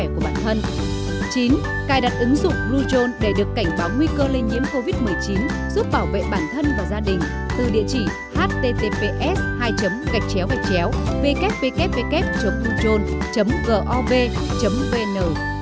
chín cài đặt ứng dụng bluezone để được cảnh báo nguy cơ lây nhiễm covid một mươi chín giúp bảo vệ bản thân và gia đình từ địa chỉ https hai gạch chéo gạch chéo wwon gov vn